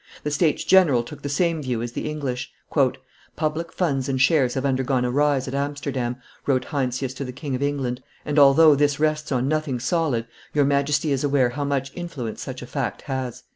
The States General took the same view as the English. "Public funds and shares have undergone a rise at Amsterdam," wrote Heinsius to the King of Englaiid; "and although this rests on nothing solid, your Majesty is aware how much influence such a fact has."